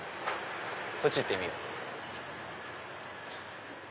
こっち行ってみよう。